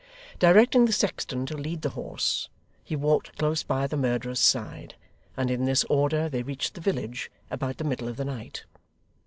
Directing the sexton to lead the horse, he walked close by the murderer's side, and in this order they reached the village about the middle of the night.